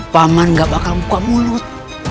pangan gak bakal buka mulut